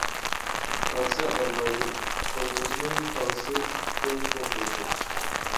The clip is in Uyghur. ئاتىسى ئاتالمايدۇ قوڭغۇزنى، بالىسى ئېتىپتۇ توڭگۇزنى.